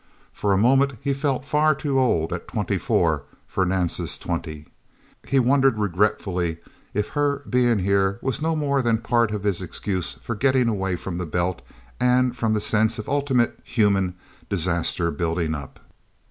For a moment he felt far too old at twenty four for Nance's twenty. He wondered regretfully if her being here was no more than part of his excuse for getting away from the Belt and from the sense of ultimate human disaster building up.